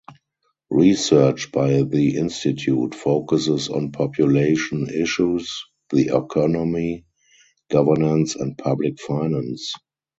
Research by the institute focuses on population issues, the economy, governance and public finance.